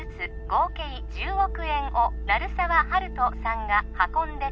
合計１０億円を鳴沢温人さんが運んで